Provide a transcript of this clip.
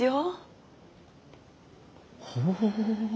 ほう。